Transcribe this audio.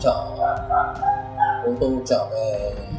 cố tu trở về